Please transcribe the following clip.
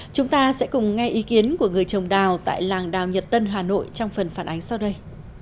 chúng ta sẽ cùng nghe ý kiến của người trồng đào tại làng đào nhật tân hà nội trong phần phản ánh sau đây